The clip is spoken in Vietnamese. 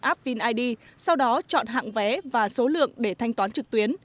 app vin id sau đó chọn hạng vé và số lượng để thanh toán trực tuyến